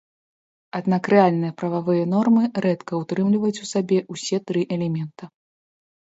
Аднак рэальныя прававыя нормы рэдка ўтрымліваюць у сабе ўсе тры элемента.